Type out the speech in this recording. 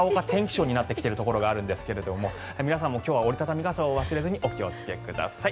ショーになってきているところがあるんですが皆さんも折り畳み傘を忘れないようにお気をつけください。